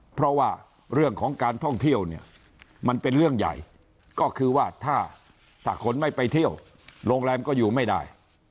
เพราะว่าเรื่องของการท่องเที่ยวเนี่ยมันเป็นเรื่องใหญ่ก็คือว่าถ้าคนไม่ไปเที่ยวโรงแรมก็อยู่ไม่ได้